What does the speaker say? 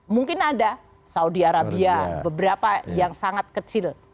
mungkin ada saudi arabia beberapa yang sangat kecil